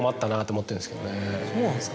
そうなんですか。